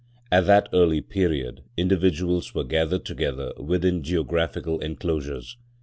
At that early period, individuals were gathered together within geographical enclosures.